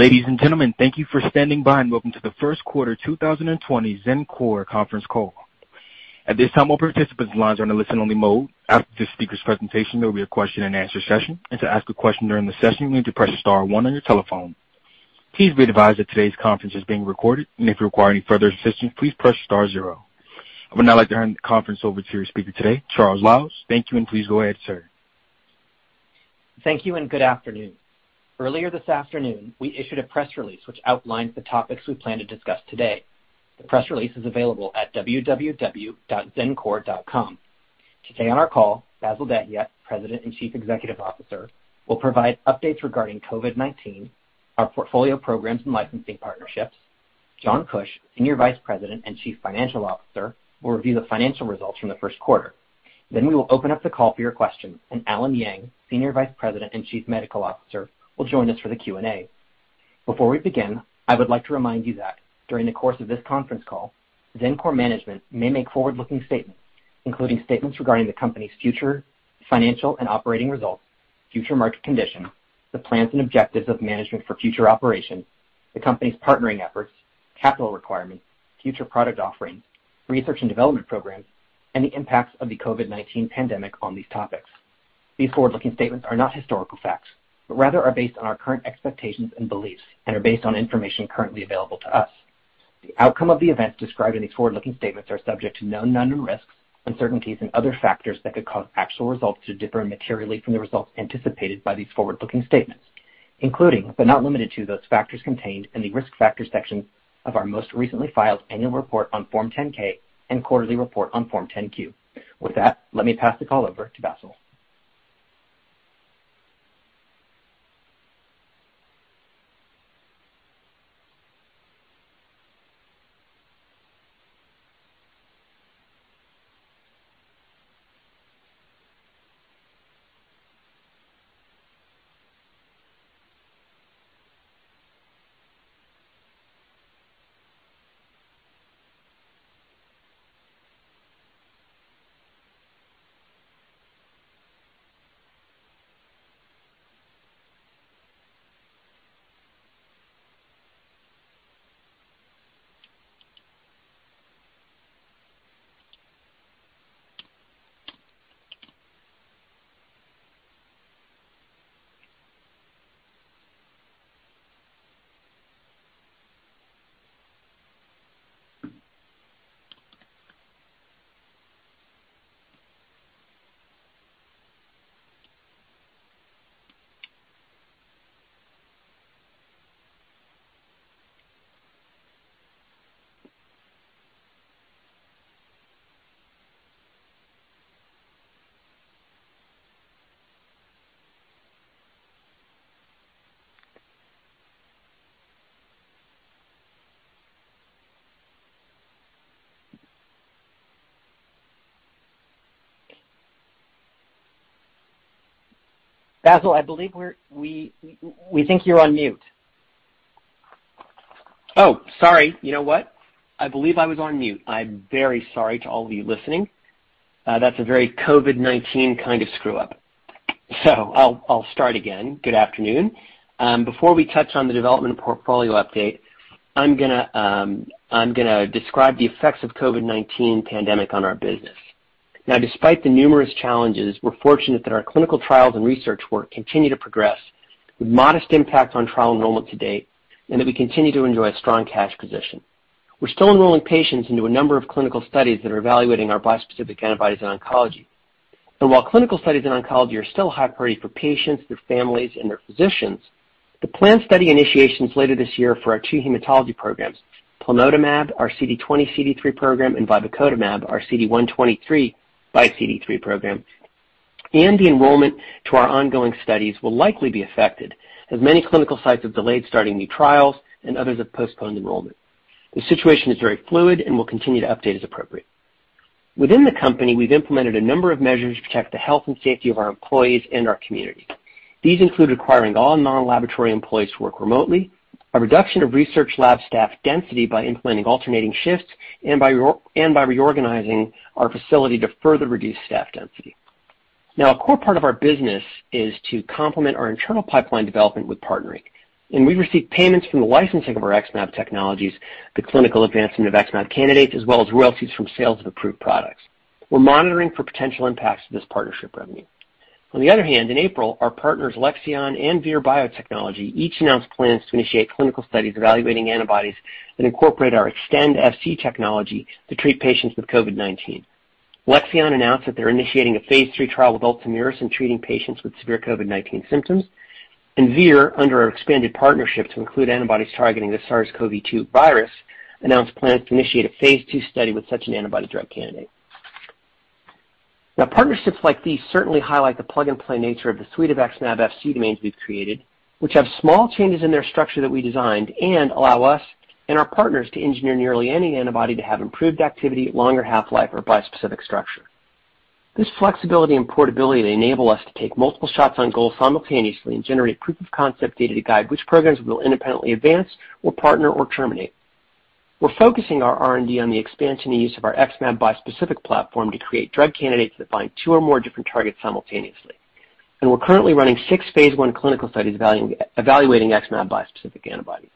Ladies and gentlemen, thank you for standing by and welcome to the Q1 2020 Xencor Conference Call. At this time, all participants' lines are in a listen-only mode. After the speaker's presentation, there will be a question-and-answer session. To ask a question during the session, you need to press star one on your telephone. Please be advised that today's conference is being recorded, and if you require any further assistance, please press star zero. I would now like to hand the conference over to your speaker today, Charles Liles. Thank you, and please go ahead, sir. Thank you and good afternoon. Earlier this afternoon, we issued a press release which outlines the topics we plan to discuss today. The press release is available at www.xencor.com. Today on our call, Bassil Dahiyat, President and Chief Executive Officer, will provide updates regarding COVID-19, our portfolio programs and licensing partnerships. John Kuch, Senior Vice President and Chief Financial Officer, will review the financial results from the Q1. We will open up the call for your questions, and Allen Yang, Senior Vice President and Chief Medical Officer, will join us for the Q&A. Before we begin, I would like to remind you that during the course of this conference call, Xencor management may make forward-looking statements, including statements regarding the company's future financial and operating results, future market conditions, the plans and objectives of management for future operations, the company's partnering efforts, capital requirements, future product offerings, research and development programs, and the impacts of the COVID-19 pandemic on these topics. These forward-looking statements are not historical facts, but rather are based on our current expectations and beliefs and are based on information currently available to us. The outcome of the events described in these forward-looking statements are subject to known and unknown risks, uncertainties, and other factors that could cause actual results to differ materially from the results anticipated by these forward-looking statements, including, but not limited to, those factors contained in the Risk Factors section of our most recently filed annual report on Form 10-K and quarterly report on Form 10-Q. With that, let me pass the call over to Bassil. Bassil, I believe we think you're on mute. Oh, sorry. You know what? I believe I was on mute. I'm very sorry to all of you listening. That's a very COVID-19 kind of screw-up. I'll start again. Good afternoon. Before we touch on the development portfolio update, I'm going to describe the effects of COVID-19 pandemic on our business. Despite the numerous challenges, we're fortunate that our clinical trials and research work continue to progress with modest impact on trial enrollment to date and that we continue to enjoy a strong cash position. We're still enrolling patients into a number of clinical studies that are evaluating our bispecific antibodies in oncology. While clinical studies in oncology are still a high priority for patients, their families, and their physicians, the planned study initiations later this year for our two hematology programs, plamotamab, our CD20/CD3 program, and vibecotamab, our CD123/CD3 program, and the enrollment to our ongoing studies will likely be affected, as many clinical sites have delayed starting new trials and others have postponed enrollment. The situation is very fluid and will continue to update as appropriate. Within the company, we've implemented a number of measures to protect the health and safety of our employees and our community. These include requiring all non-laboratory employees to work remotely, a reduction of research lab staff density by implementing alternating shifts, and by reorganizing our facility to further reduce staff density. A core part of our business is to complement our internal pipeline development with partnering, we receive payments from the licensing of our XmAb technologies, the clinical advancement of XmAb candidates, as well as royalties from sales of approved products. We're monitoring for potential impacts to this partnership revenue. In April, our partners Alexion and Vir Biotechnology each announced plans to initiate clinical studies evaluating antibodies that incorporate our Xtend Fc technology to treat patients with COVID-19. Alexion announced that they're initiating a phase III trial with ULTOMIRIS in treating patients with severe COVID-19 symptoms, Vir, under our expanded partnership to include antibodies targeting the SARS-CoV-2 virus, announced plans to initiate a phase II study with such an antibody drug candidate. Partnerships like these certainly highlight the plug-and-play nature of the suite of Xtend Fc domains we've created, which have small changes in their structure that we designed and allow us and our partners to engineer nearly any antibody to have improved activity, longer half-life, or bispecific structure. This flexibility and portability enable us to take multiple shots on goal simultaneously and generate proof of concept data to guide which programs we'll independently advance or partner or terminate. We're focusing our R&D on the expansion and use of our XmAb bispecific platform to create drug candidates that bind two or more different targets simultaneously. We're currently running six phase I clinical studies evaluating XmAb bispecific antibodies.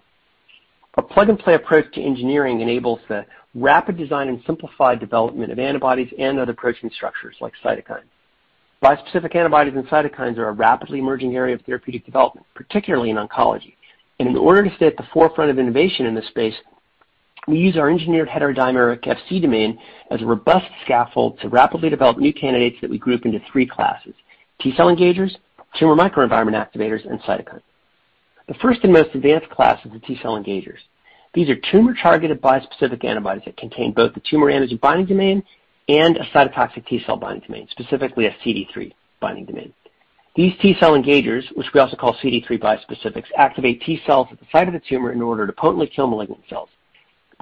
A plug-and-play approach to engineering enables the rapid design and simplified development of antibodies and other protein structures like cytokines. Bispecific antibodies and cytokines are a rapidly emerging area of therapeutic development, particularly in oncology. In order to stay at the forefront of innovation in this space, we use our engineered heterodimeric Fc domain as a robust scaffold to rapidly develop new candidates that we group into three classes, T cell engagers, tumor microenvironment activators, and cytokines. The first and most advanced class is the T cell engagers. These are tumor-targeted bispecific antibodies that contain both the tumor antigen binding domain and a cytotoxic T cell binding domain, specifically a CD3 binding domain. These T cell engagers, which we also call CD3 bispecifics, activate T cells at the site of the tumor in order to potently kill malignant cells.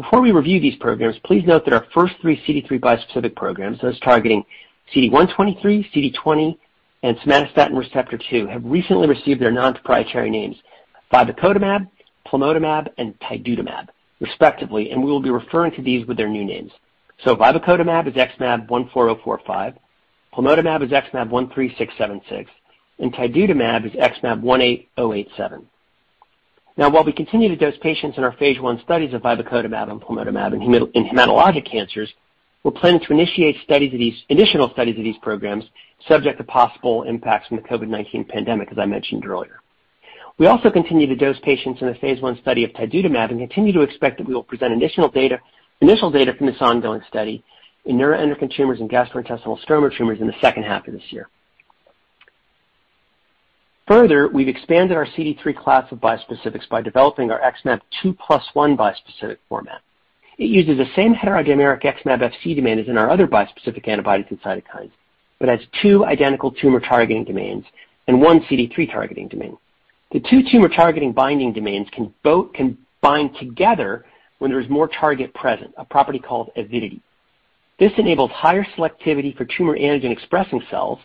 Before we review these programs, please note that our first three CD3 bispecific programs, those targeting CD123, CD20, and somatostatin receptor 2, have recently received their non-proprietary names, vibecotamab, plamotamab, and tidutamab, respectively, and we will be referring to these with their new names. Vibecotamab is XmAb14045, plamotamab is XmAb13676, and tidutamab is XmAb18087. Now, while we continue to dose patients in our phase I studies of vibecotamab and plamotamab in hematologic cancers, we're planning to initiate additional studies of these programs, subject to possible impacts from the COVID-19 pandemic, as I mentioned earlier. We also continue to dose patients in a phase I study of tidutamab and continue to expect that we will present initial data from this ongoing study in neuroendocrine tumors and gastrointestinal stromal tumors in the H2 of this year. We've expanded our CD3 class of bispecifics by developing our XmAb 2+1 bispecific format. It uses the same heterodimeric XmAb Fc domain as in our other bispecific antibodies and cytokines, but has two identical tumor targeting domains and one CD3 targeting domain. The two tumor targeting binding domains can bind together when there is more target present, a property called avidity. This enables higher selectivity for tumor antigen expressing cells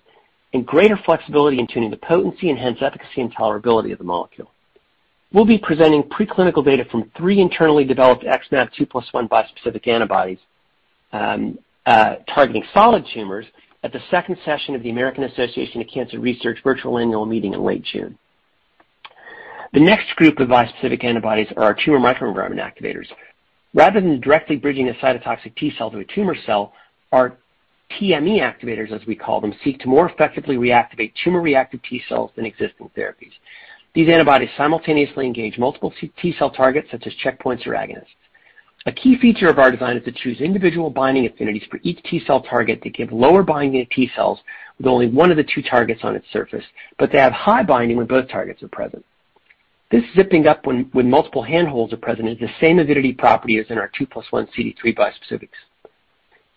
and greater flexibility in tuning the potency and hence efficacy and tolerability of the molecule. We'll be presenting preclinical data from three internally developed XmAb 2+1 bispecific antibodies, targeting solid tumors at the second session of the American Association for Cancer Research virtual annual meeting in late June. The next group of bispecific antibodies are our tumor microenvironment activators. Rather than directly bridging a cytotoxic T cell to a tumor cell, our TME activators, as we call them, seek to more effectively reactivate tumor-reactive T cells than existing therapies. These antibodies simultaneously engage multiple T cell targets, such as checkpoints or agonists. A key feature of our design is to choose individual binding affinities for each T cell target to give lower binding to T cells with only one of the two targets on its surface, but they have high binding when both targets are present. This zipping up when multiple handholds are present is the same avidity property as in our 2+1 CD3 bispecifics.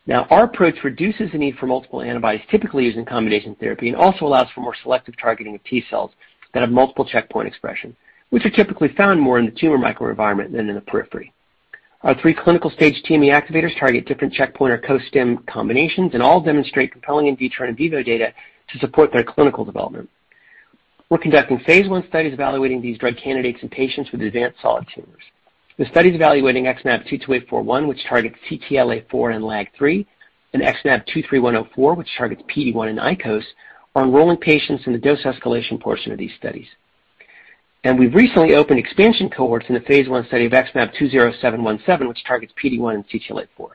Now, our approach reduces the need for multiple antibodies typically used in combination therapy and also allows for more selective targeting of T cells that have multiple checkpoint expression, which are typically found more in the tumor microenvironment than in the periphery. Our three clinical stage TME activators target different checkpoint or co-stim combinations, and all demonstrate compelling in vitro and in vivo data to support their clinical development. We're conducting phase I studies evaluating these drug candidates in patients with advanced solid tumors. The studies evaluating XmAb22841, which targets CTLA-4 and LAG-3, and XmAb23104, which targets PD-1 and ICOS, are enrolling patients in the dose escalation portion of these studies. We've recently opened expansion cohorts in the phase I study of XmAb20717, which targets PD-1 and CTLA-4.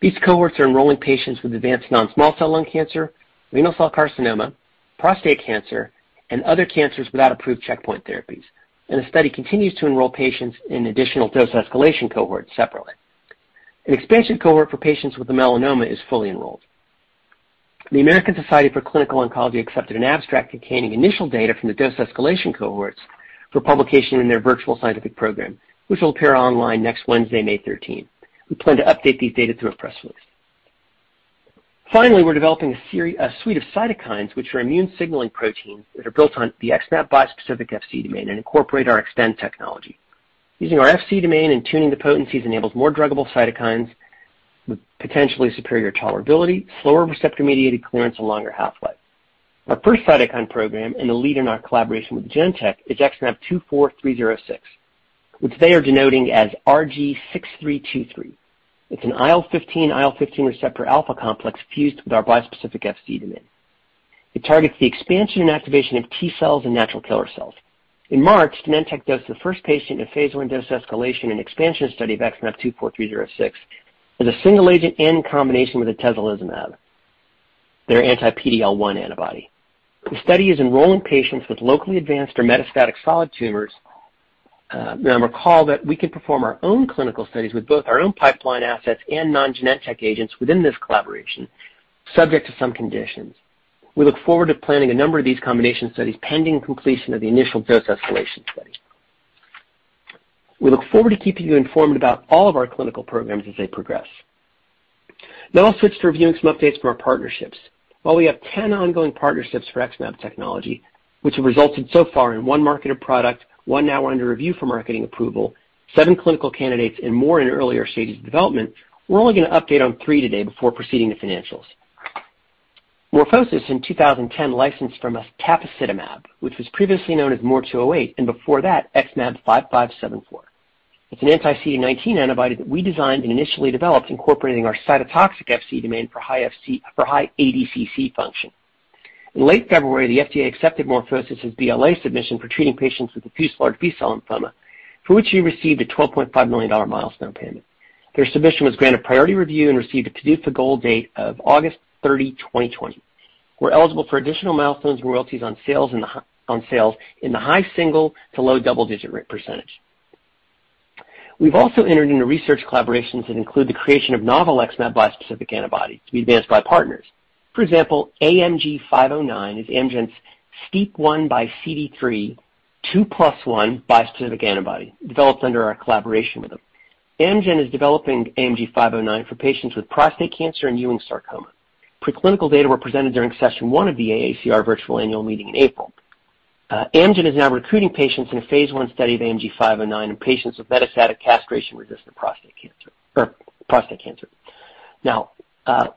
These cohorts are enrolling patients with advanced non-small cell lung cancer, renal cell carcinoma, prostate cancer, and other cancers without approved checkpoint therapies, and the study continues to enroll patients in additional dose escalation cohorts separately. An expansion cohort for patients with a melanoma is fully enrolled. The American Society of Clinical Oncology accepted an abstract containing initial data from the dose escalation cohorts for publication in their virtual scientific program, which will appear online next Wednesday, May 13. We plan to update these data through a press release. Finally, we're developing a suite of cytokines, which are immune signaling proteins that are built on the XmAb bispecific Fc domain and incorporate our Xtend technology. Using our Fc domain and tuning the potencies enables more druggable cytokines with potentially superior tolerability, slower receptor-mediated clearance, and longer half-life. Our first cytokine program, and the lead in our collaboration with Genentech, is XmAb24306, which they are denoting as RG6323. It's an IL-15/IL-15 receptor alpha complex fused with our bispecific Fc domain. It targets the expansion and activation of T cells and natural killer cells. In March, Genentech dosed the first patient in a phase I dose escalation and expansion study of XmAb24306 as a single agent in combination with atezolizumab, their anti PD-L1 antibody. The study is enrolling patients with locally advanced or metastatic solid tumors. Recall that we can perform our own clinical studies with both our own pipeline assets and non-Genentech agents within this collaboration, subject to some conditions. We look forward to planning a number of these combination studies, pending completion of the initial dose escalation study. We look forward to keeping you informed about all of our clinical programs as they progress. I'll switch to reviewing some updates from our partnerships. While we have 10 ongoing partnerships for XmAb technology, which have resulted so far in one marketed product, one now under review for marketing approval, seven clinical candidates, and more in earlier stages of development, we're only going to update on three today before proceeding to financials. MorphoSys in 2010 licensed from us tafasitamab, which was previously known as MOR208 and before that XmAb5574. It's an anti-CD19 antibody that we designed and initially developed incorporating our cytotoxic Fc domain for high ADCC function. In late February, the FDA accepted MorphoSys' BLA submission for treating patients with diffuse large B-cell lymphoma, for which we received a $12.5 million milestone payment. Their submission was granted priority review and received a PDUFA goal date of August 30, 2020. We're eligible for additional milestones and royalties on sales in the high single to low double-digit rate percentage. We've also entered into research collaborations that include the creation of novel XmAb bispecific antibodies to be advanced by partners. For example, AMG 509 is Amgen's STEAP1 by CD3 2+1 bispecific antibody developed under our collaboration with them. Amgen is developing AMG 509 for patients with prostate cancer and Ewing sarcoma. Preclinical data were presented during session one of the AACR virtual Annual Meeting in April. Amgen is now recruiting patients in a phase I study of AMG 509 in patients with metastatic castration-resistant prostate cancer.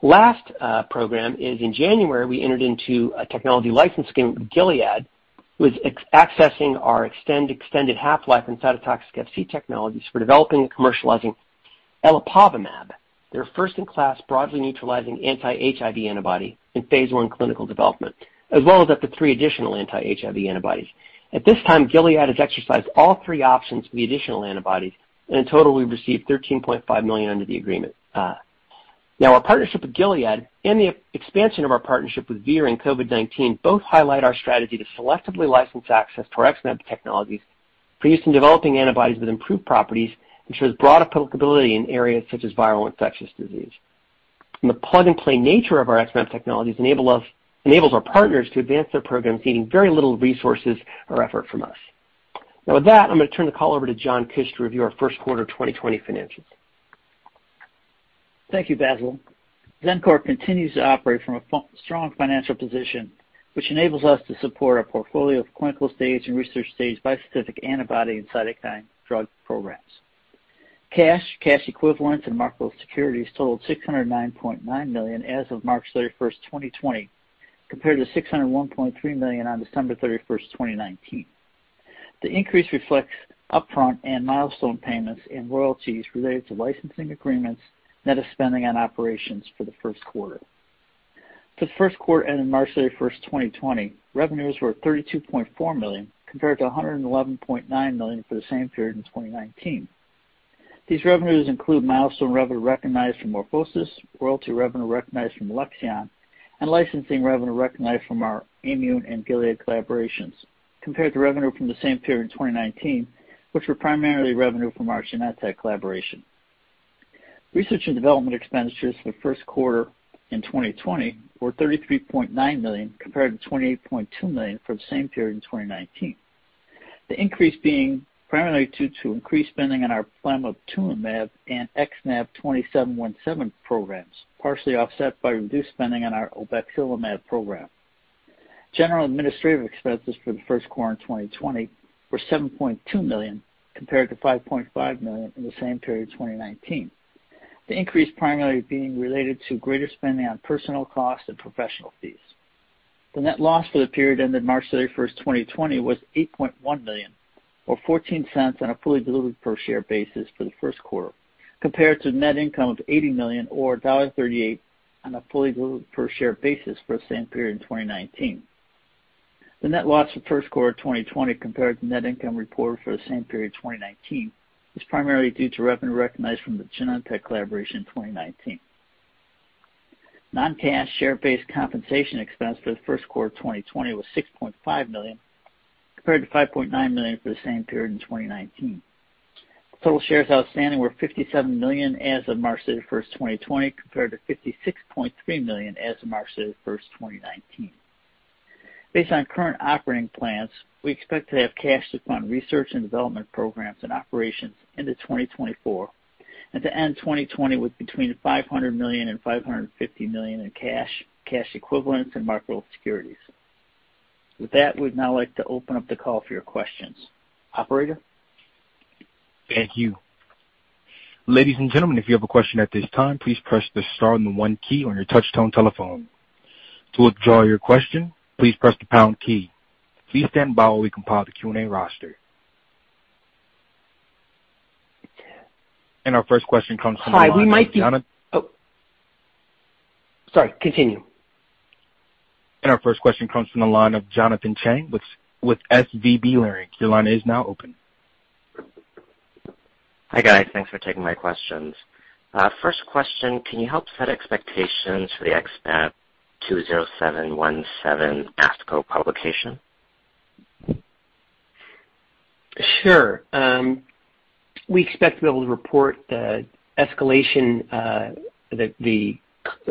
Last program is in January, we entered into a technology licensing agreement with Gilead, with accessing our extended half-life and cytotoxic Fc technologies for developing and commercializing elipovimab, their first-in-class broadly neutralizing anti-HIV antibody in phase I clinical development, as well as up to three additional anti-HIV antibodies. At this time, Gilead has exercised all three options for the additional antibodies, and in total, we've received $13.5 million under the agreement. Our partnership with Gilead and the expansion of our partnership with Vir and COVID-19 both highlight our strategy to selectively license access to our XmAb technologies for use in developing antibodies with improved properties and shows broad applicability in areas such as viral infectious disease. The plug-and-play nature of our XmAb technologies enables our partners to advance their programs needing very little resources or effort from us. Now with that, I'm going to turn the call over to John Kuch to review our Q1 2020 financials. Thank you, Bassil. Xencor continues to operate from a strong financial position, which enables us to support our portfolio of clinical-stage and research-stage bispecific antibody and cytokine drug programs. Cash, cash equivalents, and marketable securities totaled $609.9 million as of March 31, 2020, compared to $601.3 million on December 31, 2019. The increase reflects upfront and milestone payments and royalties related to licensing agreements, net of spending on operations for Q1. For the Q1 ending March 31, 2020, revenues were $32.4 million, compared to $111.9 million for the same period in 2019. These revenues include milestone revenue recognized from MorphoSys, royalty revenue recognized from Alexion, and licensing revenue recognized from our Aimmune and Gilead collaborations, compared to revenue from the same period in 2019, which were primarily revenue from our Genentech collaboration. Research and development expenditures for the Q1 in 2020 were $33.9 million, compared to $28.2 million for the same period in 2019. The increase being primarily due to increased spending on our plamotamab and XmAb20717 programs, partially offset by reduced spending on our obexelimab program. General administrative expenses for the Q1 in 2020 were $7.2 million, compared to $5.5 million in the same period in 2019. The increase primarily being related to greater spending on personal costs and professional fees. The net loss for the period ended March 31st, 2020, was $8.1 million or $0.14 on a fully diluted per share basis for the Q1, compared to net income of $80 million or $1.38 on a fully diluted per share basis for the same period in 2019. The net loss for Q1 2020 compared to net income reported for the same period in 2019 is primarily due to revenue recognized from the Genentech collaboration in 2019. Non-cash share-based compensation expense for the Q1 of 2020 was $6.5 million, compared to $5.9 million for the same period in 2019. Total shares outstanding were 57 million as of March 31st, 2020, compared to 56.3 million as of March 31st, 2019. Based on current operating plans, we expect to have cash to fund research and development programs and operations into 2024, and to end 2020 with between $500 million and $550 million in cash and cash equivalents, and marketable securities. With that, we'd now like to open up the call for your questions. Operator? Thank you. Ladies and gentlemen, if you have a question at this time, please press the star and the one key on your touch-tone telephone. To withdraw your question, please press the pound key. Please stand by while we compile the Q&A roster. Our first question comes from the line of -. Sorry, continue. Our first question comes from the line of Jonathan Chang with SVB Leerink. Your line is now open. Hi, guys. Thanks for taking my questions. First question, can you help set expectations for the XmAb20717 ASCO publication? Sure. We expect to be able to report the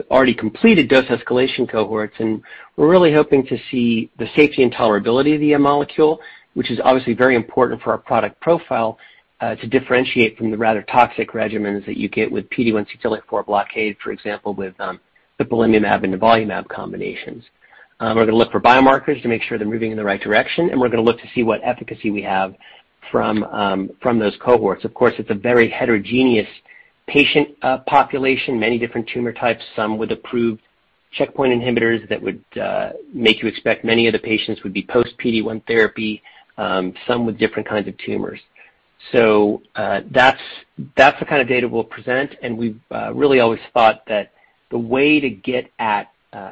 already completed dose escalation cohorts. We're really hoping to see the safety and tolerability of the molecule, which is obviously very important for our product profile to differentiate from the rather toxic regimens that you get with PD-1/CTLA-4 blockade, for example, with the ipilimumab and nivolumab combinations. We're going to look for biomarkers to make sure they're moving in the right direction. We're going to look to see what efficacy we have from those cohorts. Of course, it's a very heterogeneous patient population, many different tumor types, some with approved checkpoint inhibitors that would make you expect many of the patients would be post PD-1 therapy, some with different kinds of tumors. That's the kind of data we'll present, and we've really always thought that the way to get at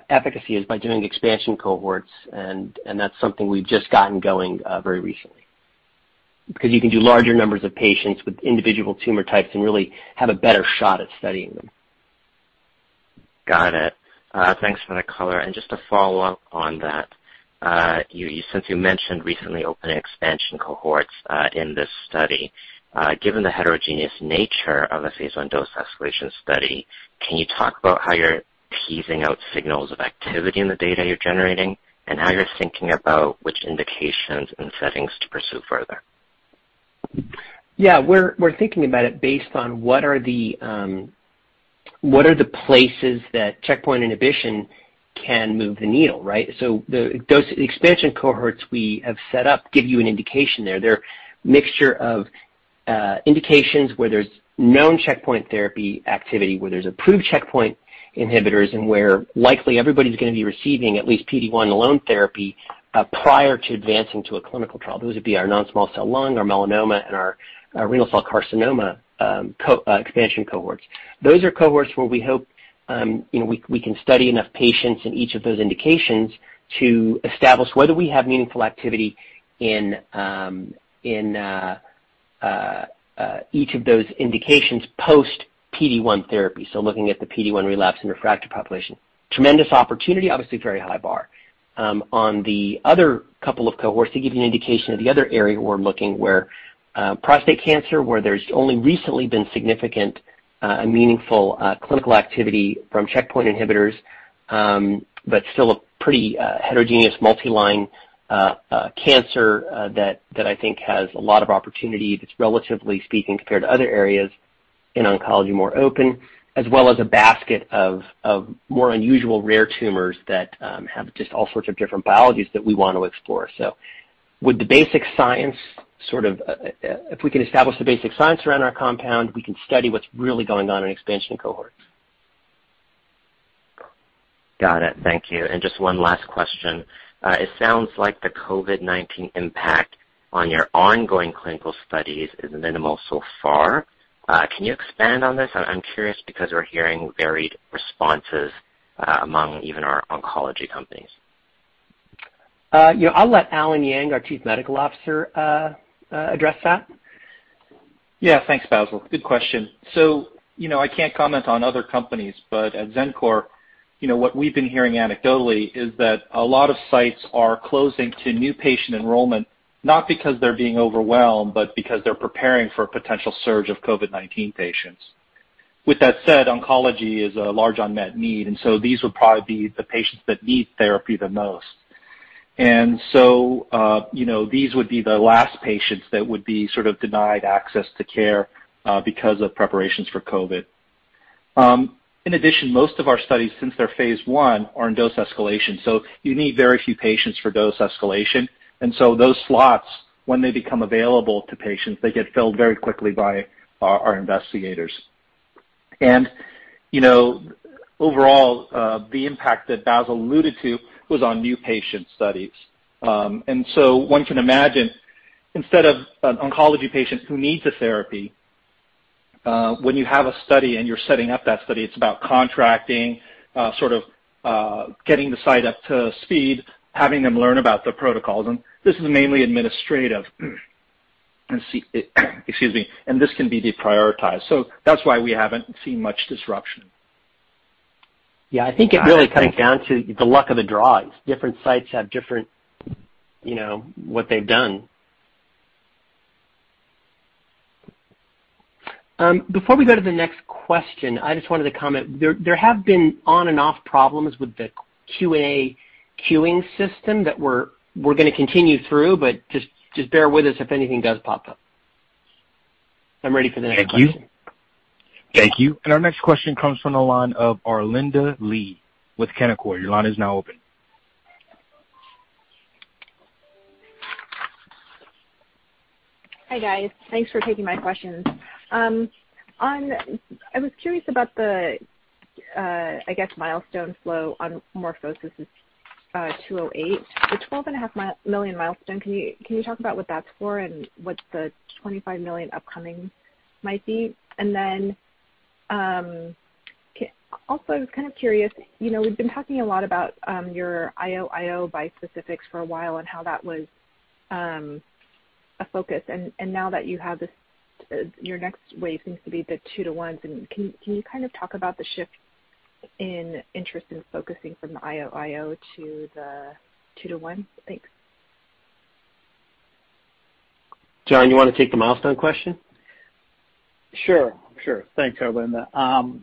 efficacy is by doing expansion cohorts, and that's something we've just gotten going very recently. You can do larger numbers of patients with individual tumor types and really have a better shot at studying them. Got it. Thanks for that color. Just to follow up on that, since you mentioned recently opening expansion cohorts in this study, given the heterogeneous nature of a phase I dose escalation study, can you talk about how you're teasing out signals of activity in the data you're generating and how you're thinking about which indications and settings to pursue further? Yeah. We're thinking about it based on what are the places that checkpoint inhibition can move the needle, right? The expansion cohorts we have set up give you an indication there. They're mixture of indications where there's known checkpoint therapy activity, where there's approved checkpoint inhibitors, and where likely everybody's going to be receiving at least PD-1 alone therapy prior to advancing to a clinical trial. Those would be our non-small cell lung, our melanoma, and our renal cell carcinoma expansion cohorts. Those are cohorts where we hope we can study enough patients in each of those indications to establish whether we have meaningful activity in each of those indications post PD-1 therapy, so looking at the PD-1 relapse in refractory population. Tremendous opportunity. Obviously very high bar. On the other couple of cohorts to give you an indication of the other area we're looking, where prostate cancer, where there's only recently been significant meaningful clinical activity from checkpoint inhibitors, but still a pretty heterogeneous multi-line cancer that I think has a lot of opportunity that's relatively speaking, compared to other areas in oncology, more open, as well as a basket of more unusual, rare tumors that have just all sorts of different biologies that we want to explore. If we can establish the basic science around our compound, we can study what's really going on in expansion cohorts. Got it. Thank you. Just one last question. It sounds like the COVID-19 impact on your ongoing clinical studies is minimal so far. Can you expand on this? I'm curious because we're hearing varied responses among even our oncology companies. I'll let Allen Yang, our Chief Medical Officer, address that. Thanks, Bassil. Good question. I can't comment on other companies, but at Xencor, what we've been hearing anecdotally is that a lot of sites are closing to new patient enrollment, not because they're being overwhelmed, but because they're preparing for a potential surge of COVID-19 patients. With that said, oncology is a large unmet need, these would probably be the patients that need therapy the most. These would be the last patients that would be denied access to care because of preparations for COVID. In addition, most of our studies, since they're phase I, are in dose escalation, you need very few patients for dose escalation. Those slots, when they become available to patients, they get filled very quickly by our investigators. Overall, the impact that Bassil alluded to was on new patient studies. One can imagine, instead of an oncology patient who needs a therapy, when you have a study and you're setting up that study, it's about contracting, getting the site up to speed, having them learn about the protocols, and this is mainly administrative. Excuse me. This can be deprioritized. That's why we haven't seen much disruption. Yeah. I think it really comes down to the luck of the draw. Different sites have different, what they've done. Before we go to the next question, I just wanted to comment. There have been on and off problems with the QA queuing system that we're going to continue through, but just bear with us if anything does pop up. I'm ready for the next question. Thank you. Our next question comes from the line of Arlinda Lee with Canaccord Genuity. Your line is now open. Hi, guys. Thanks for taking my questions. I was curious about the, I guess, milestone flow on MorphoSys MOR208, the $12.5 million milestone. Can you talk about what that's for and what the $25 million upcoming might be? Also, I was kind of curious, we've been talking a lot about your IO-IO bispecifics for a while and how that was a focus, and now that you have this, your next wave seems to be the two-to-ones, and can you talk about the shift in interest in focusing from the IO-IO to the two-to-one? Thanks. John, you want to take the milestone question? Sure. Thanks, Arlinda.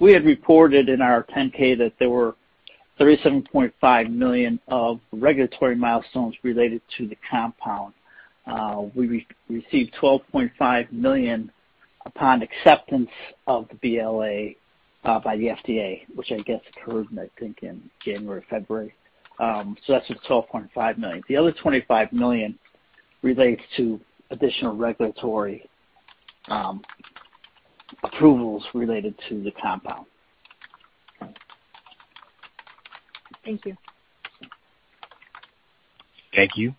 We had reported in our 10-K that there were $37.5 million of regulatory milestones related to the compound. We received $12.5 million upon acceptance of the BLA by the FDA, which I guess occurred, I think, in January or February. That's the $12.5 million. The other $25 million relates to additional regulatory approvals related to the compound. Thank you. Thank you.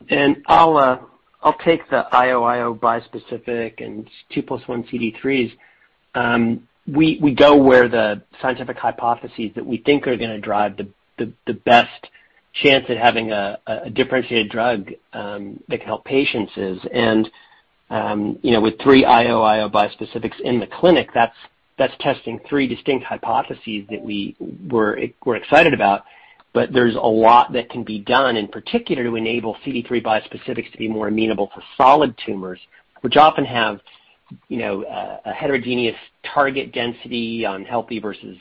I'll take the IO/IO bispecific and 2+1 CD3s. We go where the scientific hypotheses that we think are going to drive the best chance at having a differentiated drug that can help patients is. With three IO/IO bispecifics in the clinic, that's testing three distinct hypotheses that we're excited about, but there's a lot that can be done, in particular, to enable CD3 bispecifics to be more amenable for solid tumors, which often have a heterogeneous target density on healthy versus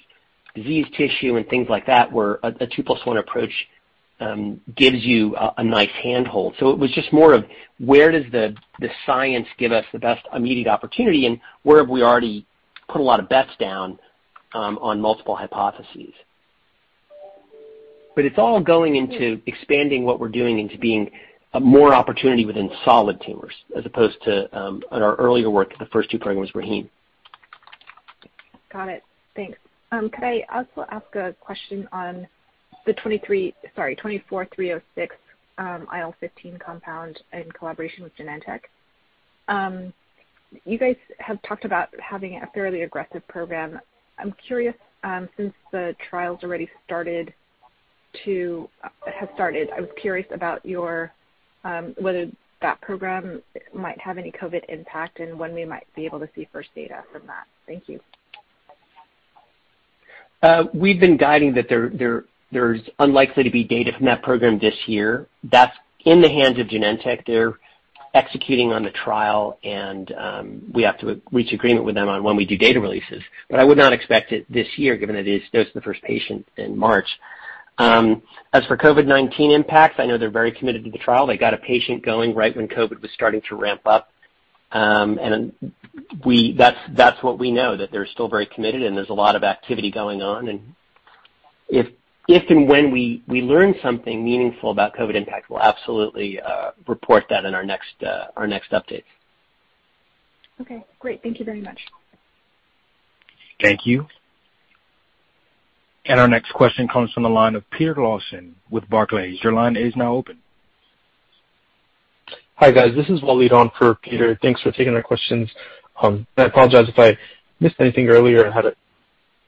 disease tissue and things like that, where a 2+1 approach gives you a nice handhold. It was just more of, where does the science give us the best immediate opportunity, and where have we already put a lot of bets down on multiple hypotheses? It's all going into expanding what we're doing into being more opportunity within solid tumors, as opposed to our earlier work, the first two programs were Heme. Got it. Thanks. Could I also ask a question on the 24306 IL-15 compound in collaboration with Genentech? You guys have talked about having a fairly aggressive program. I'm curious, since the trial's already started, I was curious about whether that program might have any COVID impact and when we might be able to see first data from that. Thank you. We've been guiding that there's unlikely to be data from that program this year. That's in the hands of Genentech. They're executing on the trial. We have to reach agreement with them on when we do data releases. I would not expect it this year, given that the dose to the first patient in March. As for COVID-19 impacts, I know they're very committed to the trial. They got a patient going right when COVID was starting to ramp up. That's what we know, that they're still very committed and there's a lot of activity going on. If and when we learn something meaningful about COVID impact, we'll absolutely report that in our next update. Okay, great. Thank you very much. Thank you. Our next question comes from the line of Peter Lawson with Barclays. Your line is now open. Hi, guys. This is Wally on for Peter. Thanks for taking our questions. I apologize if I missed anything earlier. I had a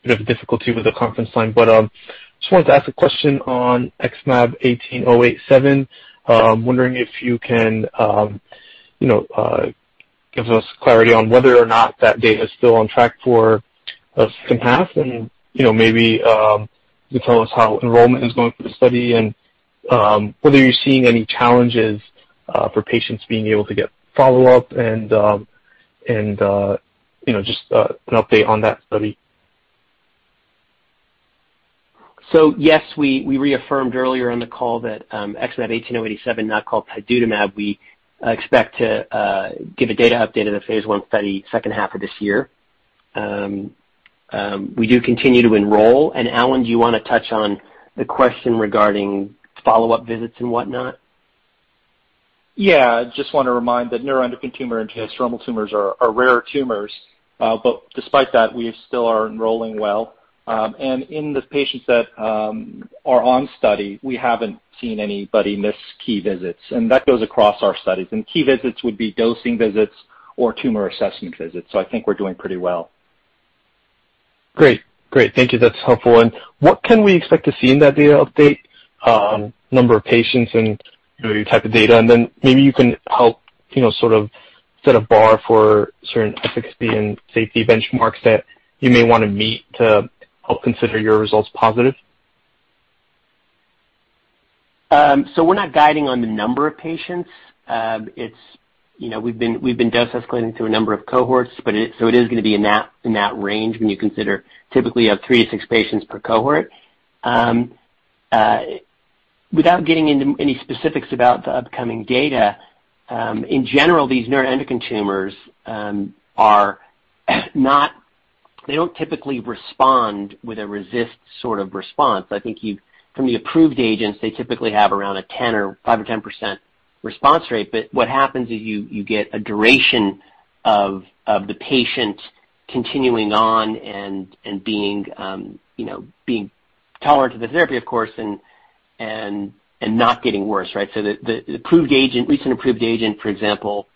bit of difficulty with the conference line. Just wanted to ask a question on XmAb18087. I'm wondering if you can give us clarity on whether or not that data is still on track for the H2, and maybe you can tell us how enrollment is going for the study and whether you're seeing any challenges for patients being able to get follow-up and just an update on that study. Yes, we reaffirmed earlier in the call that XmAb18087, now called tidutamab, we expect to give a data update of the phase I study H2 of this year. We do continue to enroll. Allen, do you want to touch on the question regarding follow-up visits and whatnot? Yeah. Just want to remind that neuroendocrine tumor and gastrointestinal tumors are rare tumors. Despite that, we still are enrolling well. In the patients that are on study, we haven't seen anybody miss key visits, and that goes across our studies. Key visits would be dosing visits or tumor assessment visits. I think we're doing pretty well. Great. Thank you. That's helpful. What can we expect to see in that data update, number of patients and your type of data? Maybe you can help set a bar for certain efficacy and safety benchmarks that you may want to meet to help consider your results positive. We're not guiding on the number of patients. It is going to be in that range when you consider typically of three to six patients per cohort. Without getting into any specifics about the upcoming data, in general, these neuroendocrine tumors, they don't typically respond with a RECIST sort of response. I think from the approved agents, they typically have around a 5% or 10% response rate. What happens is you get a duration of the patient continuing on and being tolerant to the therapy, of course, and not getting worse, right? The recent approved agent, for example,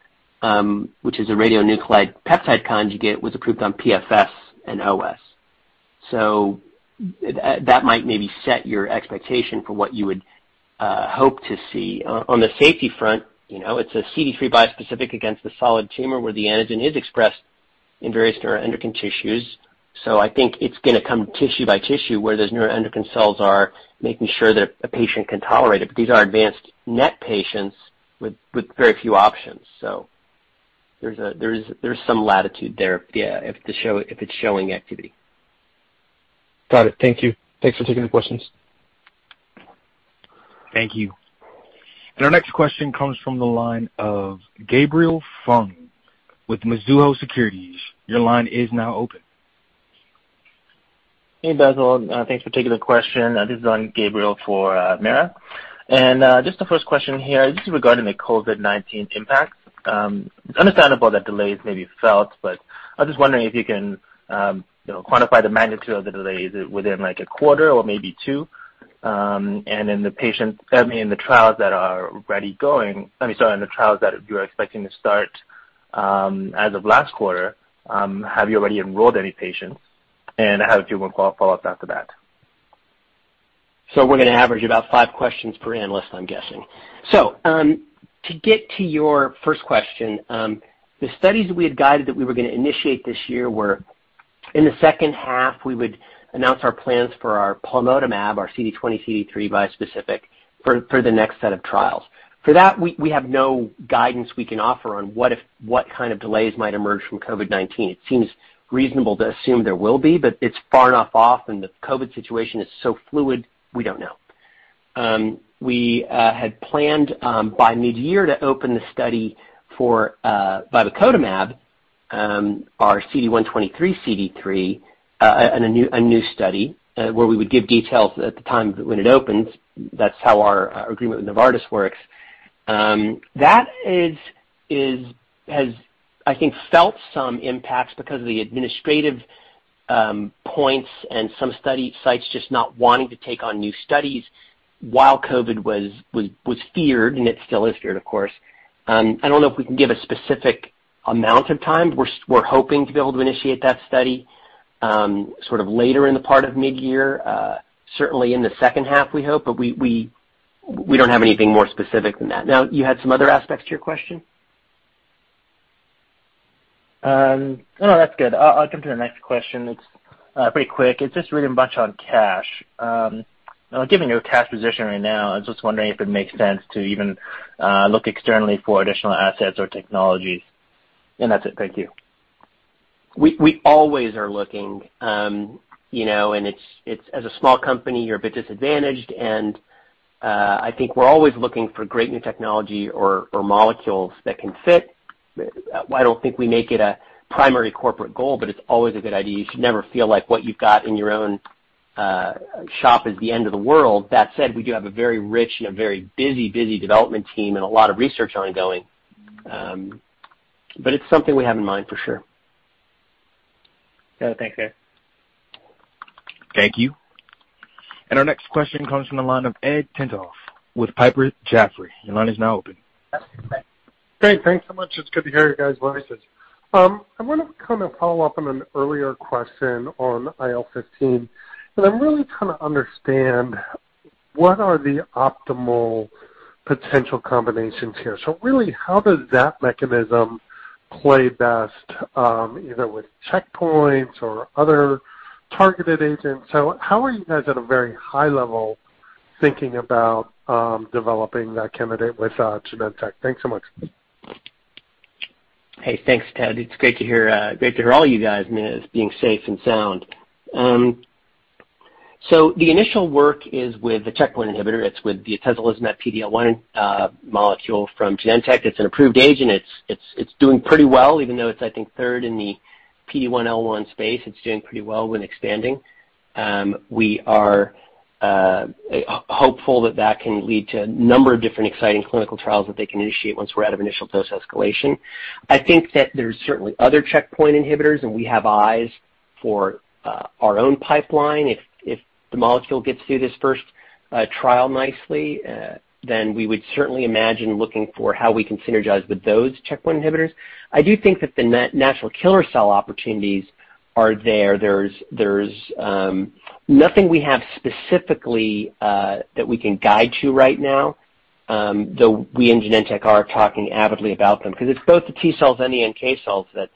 which is a radionuclide peptide conjugate, was approved on PFS and OS. That might maybe set your expectation for what you would hope to see. On the safety front, it's a CD3 bispecific against the solid tumor where the antigen is expressed in various neuroendocrine tissues. I think it's going to come tissue by tissue where those neuroendocrine cells are, making sure that a patient can tolerate it. These are advanced NET patients with very few options. There's some latitude there, yeah, if it's showing activity. Got it. Thank you. Thanks for taking the questions. Thank you. Our next question comes from the line of Gabriel Fung with Mizuho Securities. Your line is now open Hey, Bassil. Thanks for taking the question. This is Gabriel for Mara. Just the first question here, just regarding the COVID-19 impact. It's understandable that delays may be felt. I was just wondering if you can quantify the magnitude of the delays. Is it within a quarter or maybe two? The trials that you are expecting to start as of last quarter, have you already enrolled any patients? I have a few more follow-ups after that. We're going to average about five questions per analyst, I'm guessing. To get to your first question, the studies we had guided that we were going to initiate this year were in the H2, we would announce our plans for our plamotamab, our CD20/CD3 bispecific, for the next set of trials. For that, we have no guidance we can offer on what kind of delays might emerge from COVID-19. It seems reasonable to assume there will be, but it's far enough off and the COVID situation is so fluid, we don't know. We had planned by mid-year to open the study for vibecotamab, our CD123/CD3, a new study where we would give details at the time when it opens. That's how our agreement with Novartis works. That has, I think, felt some impacts because of the administrative points and some study sites just not wanting to take on new studies while COVID was feared, and it still is feared, of course. I don't know if we can give a specific amount of time. We're hoping to be able to initiate that study sort of later in the part of mid-year. Certainly in the H2, we hope, but we don't have anything more specific than that. You had some other aspects to your question? No, that's good. I'll jump to the next question. It's pretty quick. It's just really much on cash. Given your cash position right now, I was just wondering if it makes sense to even look externally for additional assets or technologies. That's it. Thank you. We always are looking. As a small company, you're a bit disadvantaged, and I think we're always looking for great new technology or molecules that can fit. I don't think we make it a primary corporate goal, but it's always a good idea. You should never feel like what you've got in your own shop is the end of the world. That said, we do have a very rich and a very busy development team and a lot of research ongoing. It's something we have in mind for sure. Yeah. Thanks, Bassil. Thank you. Our next question comes from the line of Ed Tenthoff with Piper Sandler. Your line is now open. Great. Thanks so much. It's good to hear your guys' voices. I want to kind of follow up on an earlier question on IL-15, and I'm really trying to understand what are the optimal potential combinations here. Really how does that mechanism play best, either with checkpoints or other targeted agents? How are you guys at a very high level thinking about developing that candidate with Genentech? Thanks so much. Hey, thanks, Ed. It's great to hear all you guys being safe and sound. The initial work is with the checkpoint inhibitor. It's with the atezolizumab PD-L1 molecule from Genentech. It's an approved agent. It's doing pretty well, even though it's, I think, third in the PD-1/L1 space. It's doing pretty well when expanding. We are hopeful that that can lead to a number of different exciting clinical trials that they can initiate once we're out of initial dose escalation. I think that there's certainly other checkpoint inhibitors, and we have eyes for our own pipeline. If the molecule gets through this first trial nicely, we would certainly imagine looking for how we can synergize with those checkpoint inhibitors. I do think that the natural killer cell opportunities are there. There's nothing we have specifically that we can guide to right now, though we and Genentech are talking avidly about them because it's both the T cells and the NK cells that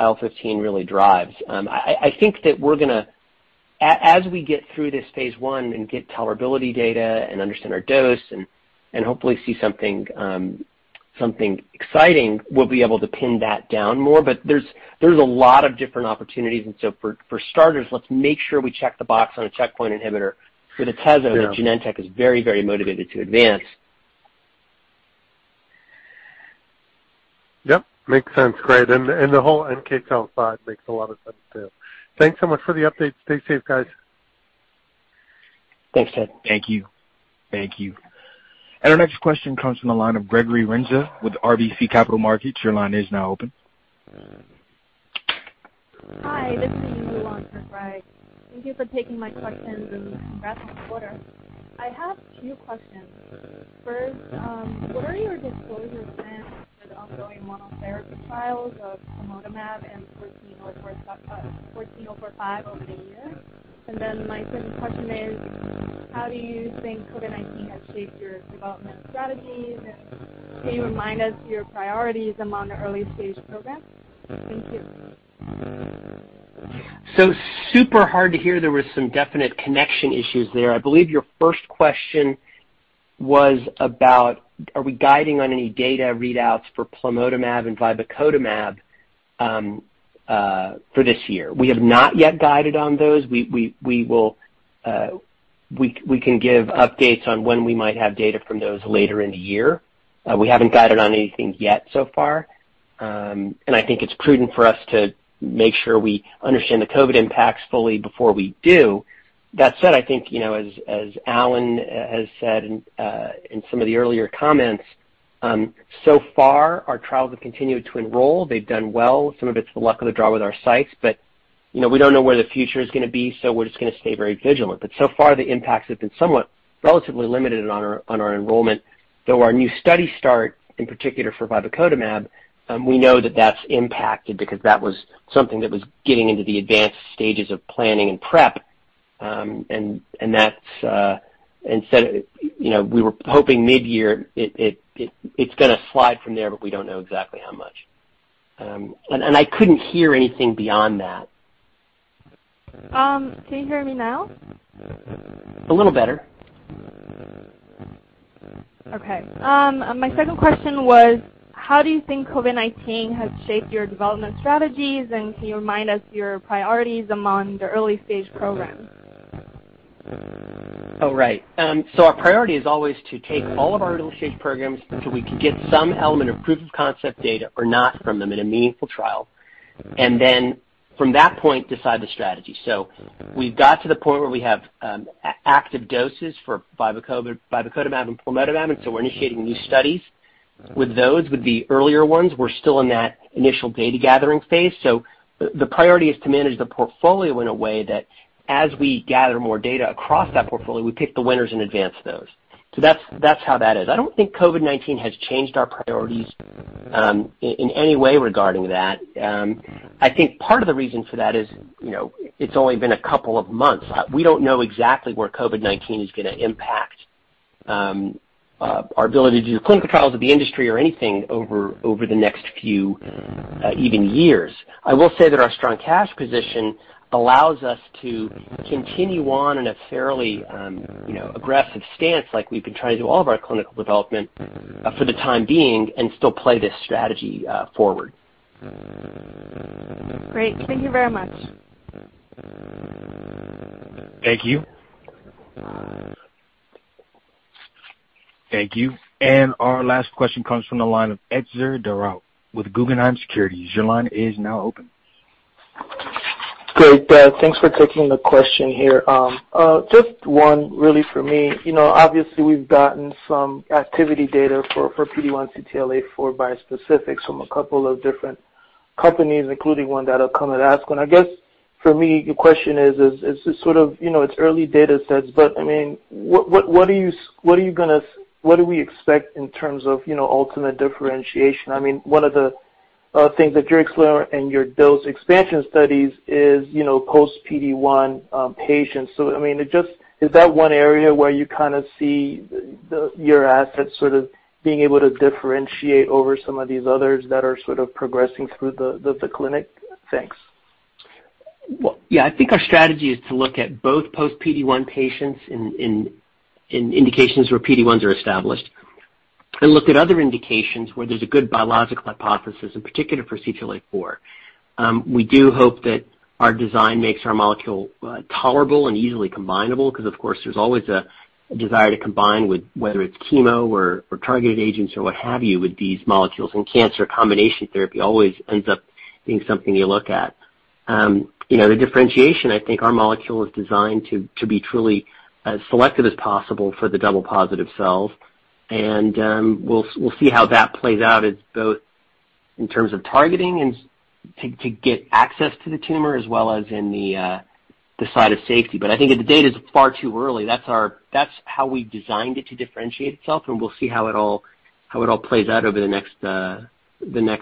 IL-15 really drives. I think that as we get through this phase I and get tolerability data and understand our dose and hopefully see something exciting, we'll be able to pin that down more. There's a lot of different opportunities, for starters, let's make sure we check the box on a checkpoint inhibitor for atezolizumab that Genentech is very motivated to advance. Yep. Makes sense. Great. The whole NK cell side makes a lot of sense, too. Thanks so much for the updates. Stay safe, guys. Thanks, Ed. Thank you. Our next question comes from the line of Gregory Renza with RBC Capital Markets. Your line is now open. Hi, this is Yu Long from RBC. Thank you for taking my questions and congrats on the quarter. I have two questions. First, what are your disclosure plans with ongoing monotherapy trials of plamotamab and 14045 over the year? My second question is, how do you think COVID-19 has shaped your development strategies? Can you remind us your priorities among the early-stage programs? Thank you. Super hard to hear. There was some definite connection issues there. I believe your first question was about, are we guiding on any data readouts for plamotamab and vibecotamab for this year? We have not yet guided on those. We can give updates on when we might have data from those later in the year. We haven't guided on anything yet so far. I think it's prudent for us to make sure we understand the COVID impacts fully before we do. That said, I think, as Allen has said in some of the earlier comments, so far our trials have continued to enroll. They've done well. Some of it's the luck of the draw with our sites, but we don't know where the future is going to be, so we're just going to stay very vigilant. So far, the impacts have been somewhat relatively limited on our enrollment, though our new study start, in particular for vibecotamab, we know that's impacted because that was something that was getting into the advanced stages of planning and prep. We were hoping mid-year. It's going to slide from there, but we don't know exactly how much. I couldn't hear anything beyond that. Can you hear me now? A little better. Okay. My second question was, how do you think COVID-19 has shaped your development strategies, and can you remind us your priorities among the early-stage programs? Right. Our priority is always to take all of our early-stage programs until we can get some element of proof of concept data, or not from them, in a meaningful trial. From that point, decide the strategy. We've got to the point where we have active doses for vibecotamab and plamotamab, we're initiating new studies with those. With the earlier ones, we're still in that initial data gathering phase. The priority is to manage the portfolio in a way that as we gather more data across that portfolio, we pick the winners and advance those. That's how that is. I don't think COVID-19 has changed our priorities in any way regarding that. I think part of the reason for that is it's only been a couple of months. We don't know exactly where COVID-19 is going to impact our ability to do the clinical trials of the industry or anything over the next few, even years. I will say that our strong cash position allows us to continue on in a fairly aggressive stance like we've been trying to do all of our clinical development for the time being and still play this strategy forward. Great. Thank you very much. Thank you. Thank you. Our last question comes from the line of Etzer Darout with Guggenheim Securities. Your line is now open. Great. Thanks for taking the question here. Just one really from me. Obviously, we've gotten some activity data for PD-1 CTLA-4 bispecifics from a couple of different companies, including one that will come at ASCO. I guess for me, the question is, it's early data sets, but what do we expect in terms of ultimate differentiation? One of the things that you're exploring in your dose expansion studies is post PD-1 patients. Is that one area where you kind of see your assets sort of being able to differentiate over some of these others that are sort of progressing through the clinic? Thanks. Yeah. I think our strategy is to look at both post PD-1 patients in indications where PD-1s are established, and look at other indications where there's a good biological hypothesis, in particular for CTLA-4. We do hope that our design makes our molecule tolerable and easily combinable, because of course, there's always a desire to combine with whether it's chemo or targeted agents or what have you, with these molecules. In cancer, combination therapy always ends up being something you look at. The differentiation, I think our molecule is designed to be truly as selective as possible for the double positive cells, and we'll see how that plays out both in terms of targeting and to get access to the tumor, as well as in the side of safety. I think the data's far too early. That's how we designed it to differentiate itself, and we'll see how it all plays out over the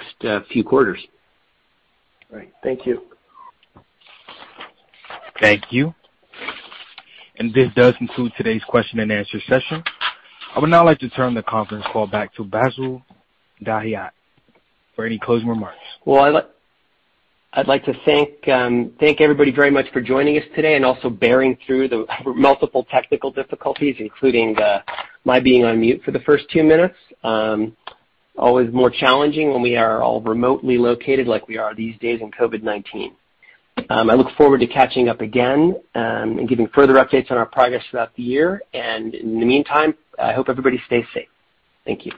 next few quarters. Right. Thank you. Thank you. This does conclude today's question and answer session. I would now like to turn the conference call back to Bassil Dahiyat for any closing remarks. Well, I'd like to thank everybody very much for joining us today and also bearing through the multiple technical difficulties, including my being on mute for the first two minutes. Always more challenging when we are all remotely located like we are these days in COVID-19. I look forward to catching up again and giving further updates on our progress throughout the year. In the meantime, I hope everybody stays safe. Thank you.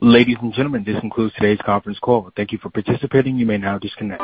Ladies and gentlemen, this concludes today's conference call. Thank you for participating. You may now disconnect.